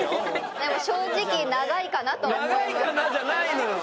でも正直長いかなとは思います。